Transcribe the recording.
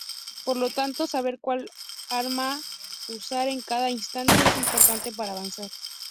Por lo tanto, saber cual arma usar en cada instante es importante para avanzar.